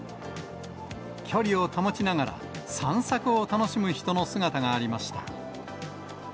距離を保ちながら、散策を楽しむ人の姿がありました。